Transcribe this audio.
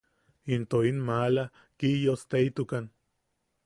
Into in maala Kiyosteitukan.